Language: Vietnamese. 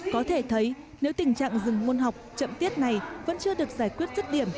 có thể thấy nếu tình trạng dừng môn học chậm tiết này vẫn chưa được giải quyết rất điểm